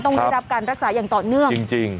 ต้องได้รับการรักษาอย่างต่อเนื่องจริง